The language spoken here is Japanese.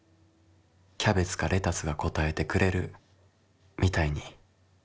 キャベツかレタスが答えてくれるみたいに」。